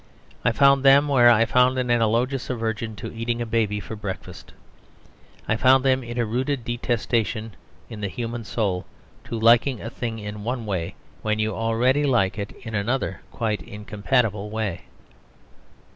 I found them where I found an analogous aversion to eating a baby for breakfast. I found them in a rooted detestation in the human soul to liking a thing in one way, when you already like it in another quite incompatible way.